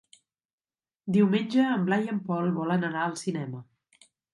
Diumenge en Blai i en Pol volen anar al cinema.